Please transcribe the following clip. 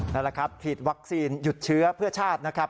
นั่นแหละครับฉีดวัคซีนหยุดเชื้อเพื่อชาตินะครับ